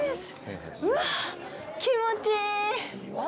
うわぁ、気持ちいい！